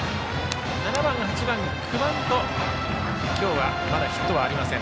７番、８番、９番と今日、まだヒットはありません。